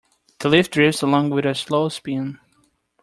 The leaf drifts along with a slow spin.